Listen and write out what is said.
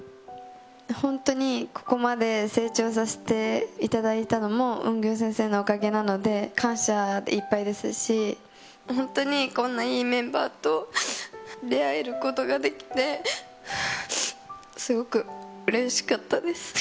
本当にここまで成長させていただいたのもウンギョン先生のおかげなので、感謝でいっぱいですし、本当にこんないいメンバーと出会えることができて、すごくうれしかったです。